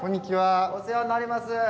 お世話になります。